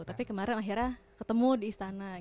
tapi kemarin akhirnya ketemu di istana